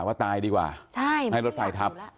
ว่าตายดีกว่าในรถไฟทับ